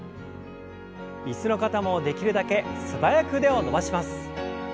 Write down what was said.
椅子の方もできるだけ素早く腕を伸ばします。